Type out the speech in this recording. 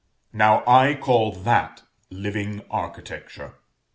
Now I call that Living Architecture.